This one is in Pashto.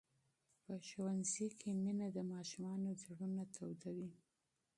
په ښوونځي کې مینه د ماشومانو زړونه تودوي.